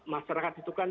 masyarakat itu kan